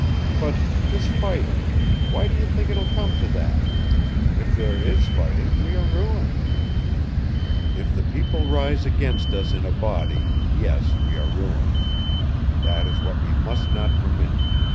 But this fighting Why do you think it will come to that? If there is fighting we are ruined." "If the people rise against us in a body yes, we are ruined. That is what we must not permit.